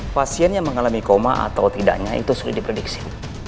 pasien yang mengalami koma atau tidaknya itu sudah diprediksi